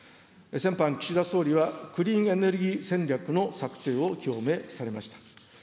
先般、岸田総理は、クリーンエネルギー戦略の策定を表明されました。